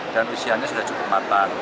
dan isiannya sudah cukup matang